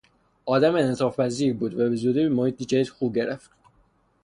آدم انعطافپذیری بود و به زودی به محیط جدید خو گرفت.